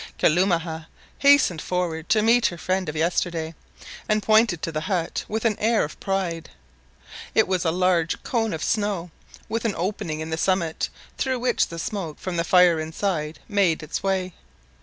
Kalumah hastened forward to meet her friend of yesterday, and pointed to the but with an, air of pride. It was a large cone of snow, with an opening in the summit, through which the smoke from the fire inside made its way.